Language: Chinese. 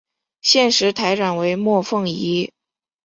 现时台长为莫凤仪。